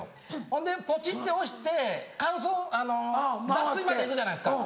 ほんでポチって押して脱水まで行くじゃないですか。